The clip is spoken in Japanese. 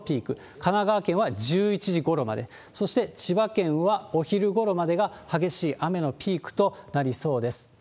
神奈川県は１１時ごろまで、そして千葉県はお昼ごろまでが激しい雨のピークとなりそうです。